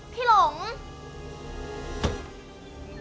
พี่หลม